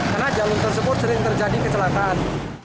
karena jalur tersebut sering terjadi kecelakaan